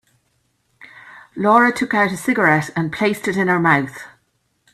Laura took out a cigarette and placed it in her mouth.